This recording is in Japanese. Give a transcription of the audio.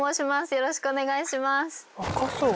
よろしくお願いします。